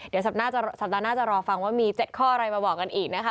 เดี๋ยวสัปดาห์หน้าจะรอฟังว่ามี๗ข้ออะไรมาบอกกันอีกนะคะ